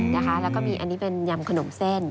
แล้วก็มีอันนี้เป็นยำขนมเส้น